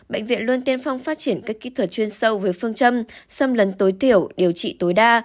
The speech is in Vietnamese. bệnh viện luôn tiên phong phát triển các kỹ thuật chuyên sâu về phương châm xâm lấn tối thiểu điều trị tối đa